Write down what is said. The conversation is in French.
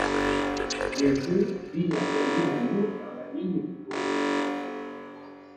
Le jeu vise à former un mot dans la ligne du haut.